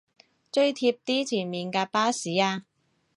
追貼啲前面架巴士吖